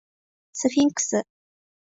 スフィンクス